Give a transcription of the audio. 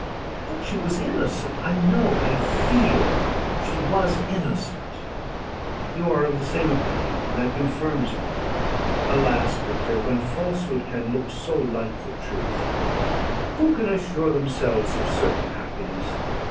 But she was innocent. I know, I feel she was innocent; you are of the same opinion, and that confirms me. Alas! Victor, when falsehood can look so like the truth, who can assure themselves of certain happiness?